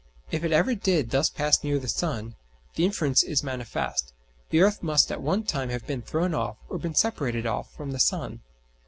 If it ever did thus pass near the sun, the inference is manifest the earth must at one time have been thrown off, or been separated off, from the sun.